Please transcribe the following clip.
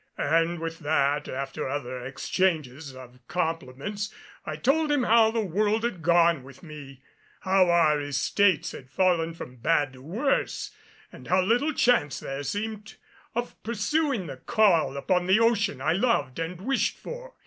And with that, after other exchanges of compliments, I told him how the world had gone with me; how our estates had fallen from bad to worse and how little chance there seemed of pursuing the calling upon the ocean I loved and wished for.